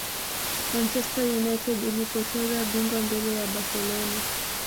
Manchester United ilipoteza bingwa mbele ya barcelona